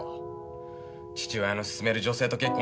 父親の勧める女性と結婚したい。